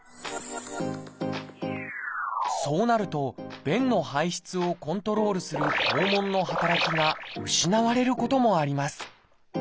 そうなると便の排出をコントロールする肛門の働きが失われることもあります。